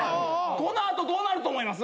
この後どうなると思います？